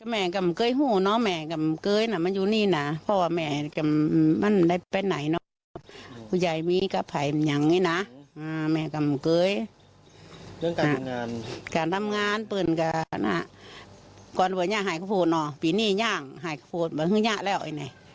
หายกระโภชน์อ่ะปีนี่ย่างหายกระโภชน์หายกระโภชน์แล้วไอ้ไหน